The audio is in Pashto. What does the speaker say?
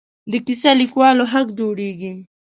د کیسه لیکوالو حق جوړېږي.